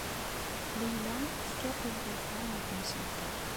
Layla tefka talɣut-a i temsulta.